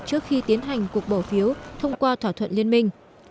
trước khi tiến hành cuộc bỏ phiếu thông qua thỏa thuận liên minh